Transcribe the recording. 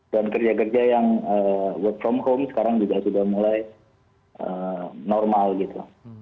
dan kerja kerja yang work from home sekarang juga sudah mulai normal gitu